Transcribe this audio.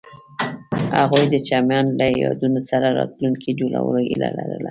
هغوی د چمن له یادونو سره راتلونکی جوړولو هیله لرله.